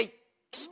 下？